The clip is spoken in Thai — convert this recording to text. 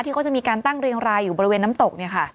ที่ก็จะมีการตั้งเรียงรายอยู่บริเวณน้ำตก